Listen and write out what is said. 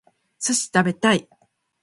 寿司食べたい